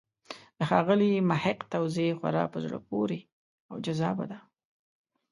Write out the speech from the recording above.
د ښاغلي محق توضیح خورا په زړه پورې او جذابه ده.